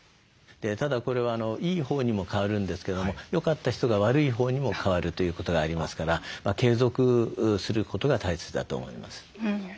ただこれはいいほうにも変わるんですけどもよかった人が悪いほうにも変わるということがありますから継続することが大切だと思います。